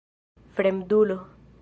fremdulo